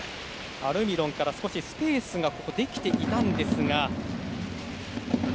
アルミロンからスペースができていたんですが。